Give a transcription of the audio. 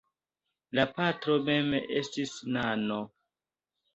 La patro mem estis nano.